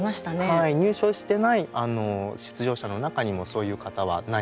はい入賞してない出場者の中にもそういう方は何人かいました。